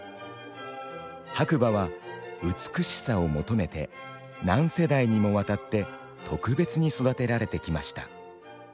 白馬は美しさを求めて何世代にもわたって特別に育てられてきました。